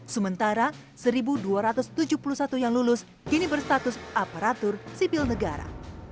sementara satu dua ratus tujuh puluh satu yang lulus kini berstatus aparatur sipil negara